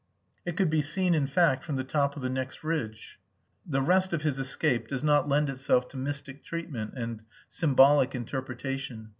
It could be seen, in fact, from the top of the next ridge.... The rest of his escape does not lend itself to mystic treatment and symbolic interpretation.